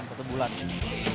iya satu bulan